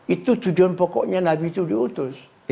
itu tujuan pokoknya nabi itu diutus